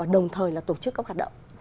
đồng thời là tổ chức cấp hoạt động